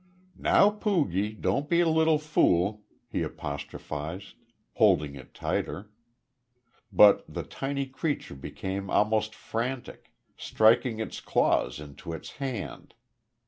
"Now Poogie, don't be a little fool," he apostrophised, holding it tighter. But the tiny creature became almost frantic, striking its claws into his hand.